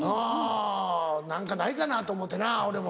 何かないかなと思うてな俺も。